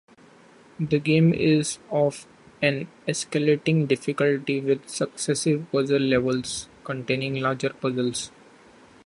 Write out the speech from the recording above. The game is of an escalating difficulty, with successive puzzle levels containing larger puzzles.